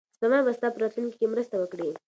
سپما به ستا په راتلونکي کې مرسته وکړي.